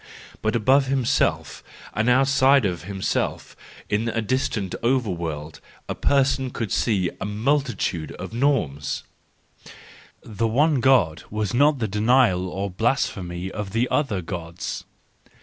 But above himself, and outside of himself, in a distant over¬ world, a person could see a multitude of norms: the one God was not the denial or blasphemy of the other Gods